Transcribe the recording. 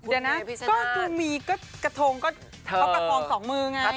เดือนหน้าก็มีกระโทงกลับประพองสองมือไง